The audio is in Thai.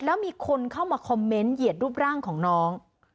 แล้วมีคนเข้ามาคอมเมนต์เหยียดรูปร่างของน้อง